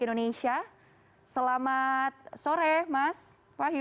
indonesia selamat sore mas wahyu